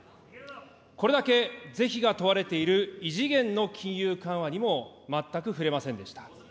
これだけ是非が問われている異次元の金融緩和にも全く触れませんでした。